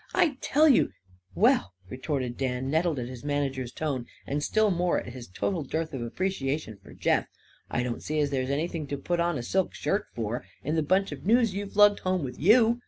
I tell you " "Well," retorted Dan, nettled at his manager's tone and still more at his total dearth of appreciation for Jeff, "I don't see as there's anything to put on a silk shirt for, in the bunch of news you've lugged home with you.